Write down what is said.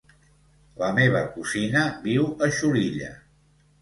La meva cosina viu a Xulilla.